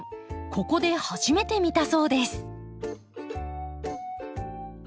ここで初めて見たそうです。